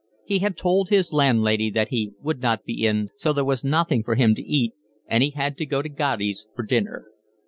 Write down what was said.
He had told his landlady that he would not be in, so there was nothing for him to eat, and he had to go to Gatti's for dinner.